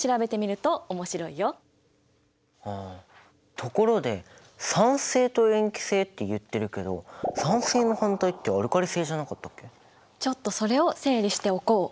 ところで酸性と塩基性って言ってるけどちょっとそれを整理しておこう。